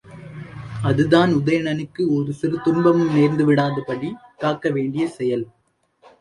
அதுதான், உதயணனுக்கு ஒரு சிறு துன்பமும் நேர்ந்துவிடாதபடி காக்கவேண்டிய செயல்.